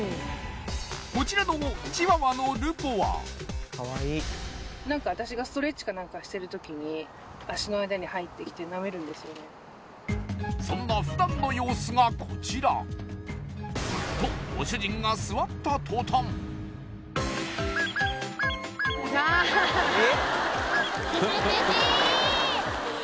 こちらのチワワのルポはそんな普段の様子がこちらとご主人が座った途端え！？